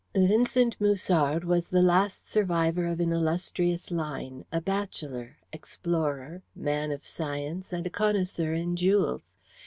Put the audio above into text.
Vincent Musard was the last survivor of an illustrious line, a bachelor, explorer, man of science, and connoisseur in jewels.